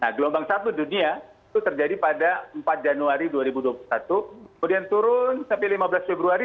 nah gelombang satu dunia itu terjadi pada empat januari dua ribu dua puluh satu kemudian turun sampai lima belas februari